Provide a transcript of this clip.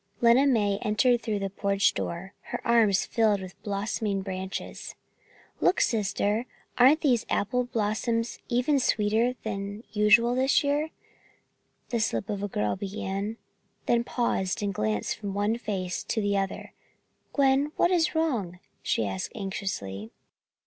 Lena May entered through the porch door, her arms filled with blossoming branches. "Look, sisters, aren't apple blossoms even sweeter than usual this year?" the slip of a girl began, then paused and glanced from one face to the other. "Gwen, what is wrong?" she asked anxiously.